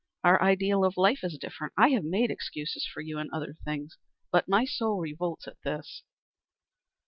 Our ideal of life is different. I have made excuses for you in other things, but my soul revolts at this."